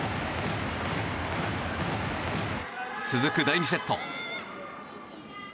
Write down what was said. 続く第２セット。